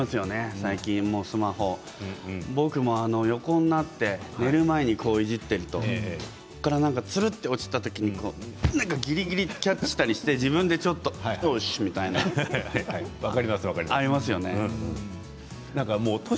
最近スマホを僕も横になって寝る前にいじっているとそこからつるっと落ちたときにぎりぎりキャッチしたりして自分でちょっとよし！